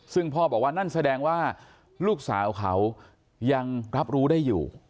ซึ่งพ่อบอกว่านั่นแสดงว่าลูกสาวเขายังรับรู้ได้อยู่